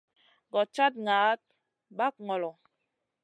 Goɗ cad naʼaɗ ɓag ŋolo.